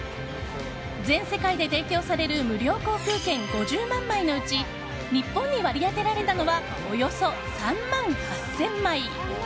全世界で提供される無料航空券５０万枚のうち日本に割り当てられたのはおよそ３万８０００枚。